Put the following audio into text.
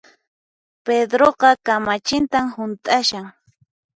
Pedroqa kamachintan hunt'ashan